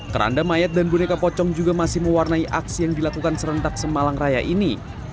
keranda mayat dan boneka pocong juga masih mewarnai aksi yang dilakukan serentak semalang raya ini